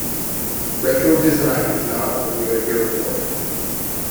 Retro design is not what we are here for.